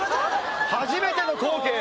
初めての光景！